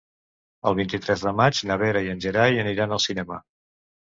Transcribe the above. El vint-i-tres de maig na Vera i en Gerai aniran al cinema.